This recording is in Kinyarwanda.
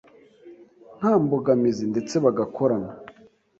nta mbogamizi ndetse bagakorana